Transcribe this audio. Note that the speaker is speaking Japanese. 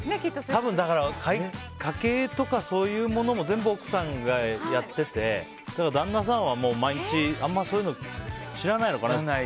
多分、家計とかそういうものも全部、奥さんがやってて旦那さんは毎日あんまりそういうの知らないのかな。